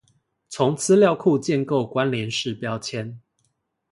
從資料庫建構關聯式標籤